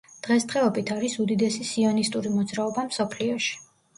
დღესდღეობით არის უდიდესი სიონისტური მოძრაობა მსოფლიოში.